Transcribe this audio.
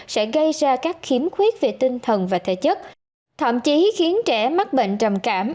sẽ gây ra các khiếm khuyết về tinh thần và thể chất thậm chí khiến trẻ mắc bệnh trầm cảm